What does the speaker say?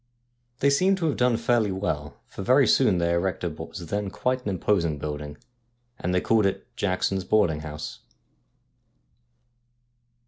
They seemed to have done fairly well, for very soon they erected what was then quite an imposing building, and they called it ' Jackson's Boarding house.'